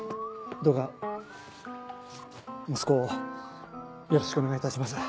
どうか息子をよろしくお願いいたします。